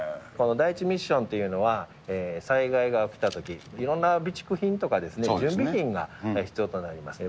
第１ミッションというのは、災害が起きたとき、いろんな備蓄品とか、準備品が必要となりますね。